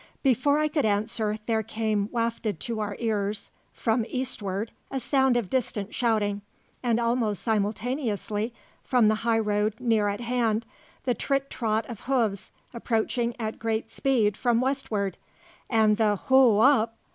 Before I could answer there came wafted to our ears from eastward a sound of distant shouting, and almost simultaneously, from the high road near at hand, the trit trot of hoofs approaching at great speed from westward, and the "Who oop!"